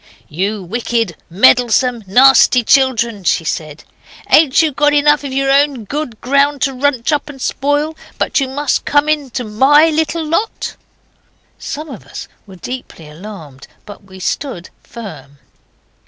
'You wicked, meddlesome, nasty children!' she said, ain't you got enough of your own good ground to runch up and spoil, but you must come into MY little lot?' Some of us were deeply alarmed, but we stood firm.